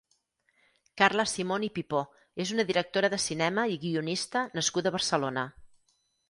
Carla Simón i Pipó és una directora de cinema i guionista nascuda a Barcelona.